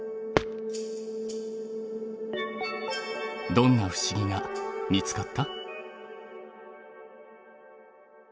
どんな不思議が見つかった？